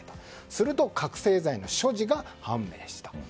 すると覚醒剤の所持が判明した。